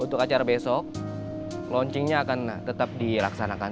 untuk acara besok launchingnya akan tetap dilaksanakan